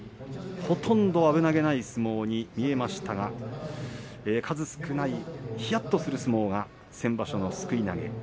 ほとんど危なげない相撲に見えましたが、数少ないひやっとする相撲が先場所のすくい投げ。